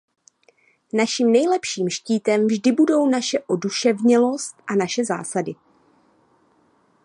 Naším nejlepším štítem vždy budou naše oduševnělost a naše zásady.